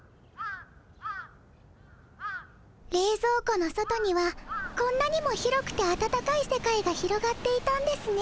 れいぞう庫の外にはこんなにも広くて温かい世界が広がっていたんですね。